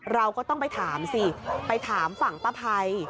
เราก็ต้องไปถามสิไปถามฝั่งป้าภัย